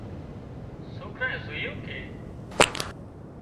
سوڪرانئي زويُون ڪي